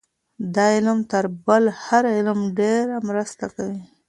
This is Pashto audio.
دا علم تر بل هر علم ډېره مرسته کوي.